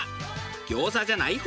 餃子じゃない方